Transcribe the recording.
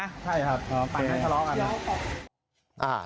ใช่ครับปางให้ทะเลาะกัน